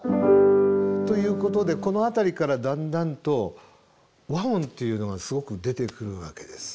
ということでこの辺りからだんだんと和音というのがすごく出てくるわけです。